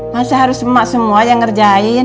masa harus emak semua yang ngerjain